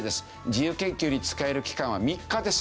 「自由研究に使える期間は“３日”です」